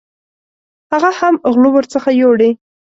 هغه هم غلو ورڅخه یوړې.